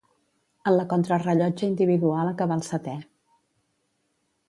En la contrarellotge individual acabà el setè.